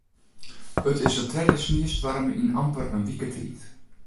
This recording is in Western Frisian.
It is de tredde sniestoarm yn amper in wike tiid.